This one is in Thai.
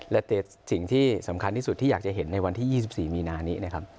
และสิ่งที่สำคัญที่สุดที่อยากจะเห็นในวันที่๒๔มีนานี้นะครับ